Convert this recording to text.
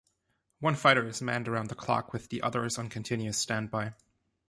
One fighter is manned around the clock, with the others on continuous standby.